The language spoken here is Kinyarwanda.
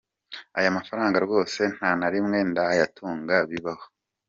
Ayo mafaranga rwose nta na rimwe ndayatunga bibaho.